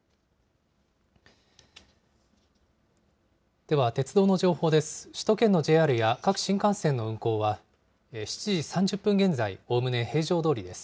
では鉄道の情報です。